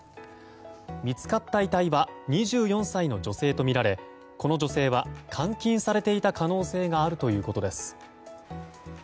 見つかった遺体は２４歳の女性とみられこの女性は、監禁されていた可能性があるということです。